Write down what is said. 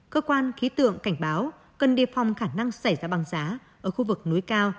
cơ quan khí tượng cảnh báo cần đề phòng khả năng xảy ra băng giá ở khu vực núi cao